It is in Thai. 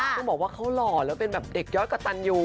ก็บอกว่าเขาหรอและเป็นแบบเด็กย้อยกว่าตันอยู่